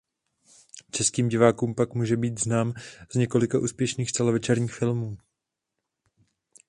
Českým divákům pak může být znám z několika úspěšných celovečerních filmů.